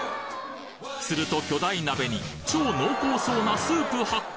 すると巨大鍋に超濃厚そうなスープ発見！